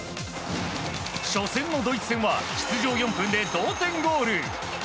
初戦のドイツ戦は出場４分で同点ゴール。